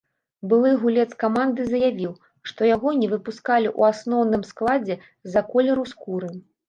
Былы гулец каманды заявіў, што яго не выпускалі ў асноўным складзе з-за колеру скуры.